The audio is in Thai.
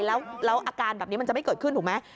แล้วอาการแบบนี้มันจะไม่เกิดขึ้นถูกไหม